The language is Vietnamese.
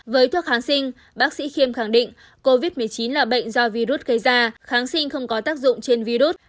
với thuốc kháng sinh bác sĩ khiêm khẳng định covid một mươi chín là bệnh do virus gây ra kháng sinh không có tác dụng trên virus